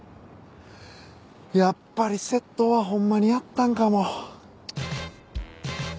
やっぱり窃盗はほんまにやったんかも。